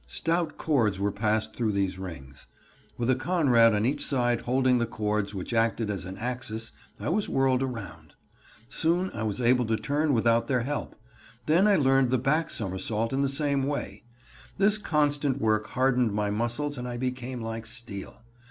Stout cords were passed through these rings. With a Conrad on each side holding the cords which acted as an axis I was whirled around. Soon I was able to turn without their help. Then I learned the back somersault in the same way. This constant work hardened my muscles and I became like steel.